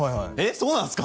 そうなんすか！？